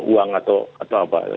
uang atau apa